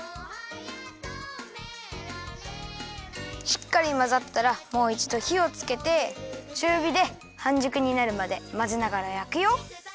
しっかりまざったらもういちどひをつけてちゅうびではんじゅくになるまでまぜながらやくよ。